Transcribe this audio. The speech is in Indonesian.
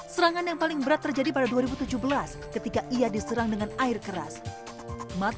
serangan yang paling berat terjadi pada dua ribu tujuh belas ketika ia diserang dengan air keras